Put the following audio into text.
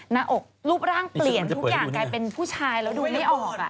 หน้าอกรูปร่างเปลี่ยนทุกอย่างกลายเป็นผู้ชายแล้วดูไม่ออก